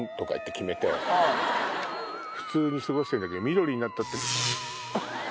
普通に過ごしてるんだけど緑になった時に。